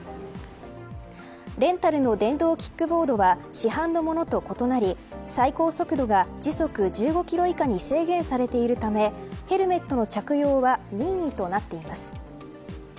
レンタルの電動キックボードは市販のものと異なり最高速度が時速１５キロ以下に制限されているためヘルメットの着用は任意となっています。